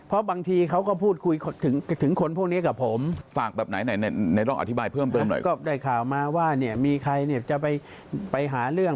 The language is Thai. รู้จัก๕เกือบมาพวกเธอถูกซึ่มหรือ